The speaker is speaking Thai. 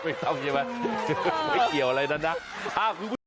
ไม่ต้องใช่ไหมไม่เกี่ยวอะไรด้านนั้น